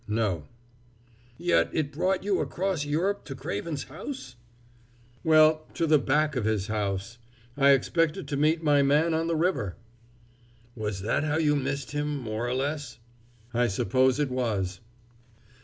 "No." "Yet it brought you across Europe to Craven's house?" "Well to the back of his house! I expected to meet my man on the river." "Was that how you missed him more or less?" "I suppose it was."